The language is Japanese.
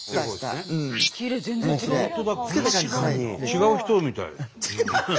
違う人みたいって。